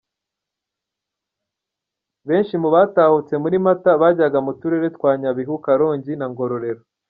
Benshi mu batahutse muri Mata bajyaga mu turere twa Nyabihu, Karongi na Ngororero.